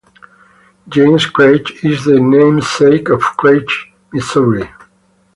James Craig is the namesake of Craig, Missouri.